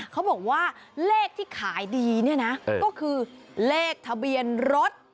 เขาบอกว่าเลขที่ขายดีเนี่ยนะก็คือเลขทะเบียนรถ